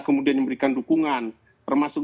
kemudian memberikan dukungan termasuk